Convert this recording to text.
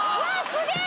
すげえ。